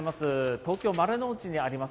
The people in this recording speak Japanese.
東京・丸の内にあります